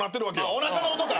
おなかの音か！